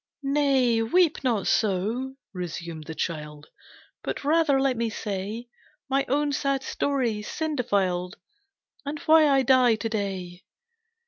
"Nay, weep not so," resumed the child, "But rather let me say My own sad story, sin defiled. And why I die to day!